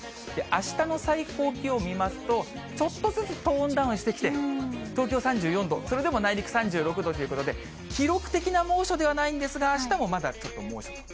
あしたの最高気温見ますと、ちょっとずつトーンダウンしてきて、東京３４度、それでも内陸３６度ということで、記録的な猛暑ではないんですが、あしたもまだちょっと猛暑と。